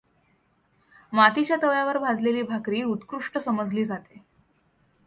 मातीच्या तव्यावर भाजलेली भाकरी उत्कृष्ट समजली जाते.